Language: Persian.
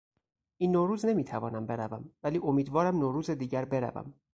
این نوروز نمیتوانم بروم ولی امیدوارم نوروز دیگر بروم.